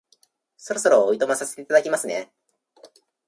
そろそろお暇させていただきますね